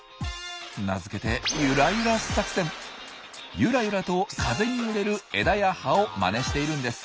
名付けてゆらゆらと風に揺れる枝や葉をまねしているんです。